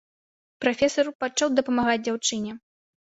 Прафесар пачаў дапамагаць дзяўчыне.